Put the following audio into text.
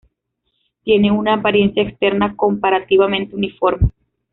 Tienen una apariencia externa comparativamente uniforme.